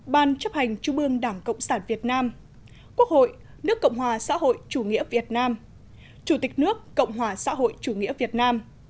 ban chấp hành trung ương đảng cộng sản việt nam quốc hội nước cộng hòa xã hội chủ nghĩa việt nam chủ tịch nước cộng hòa xã hội chủ nghĩa việt nam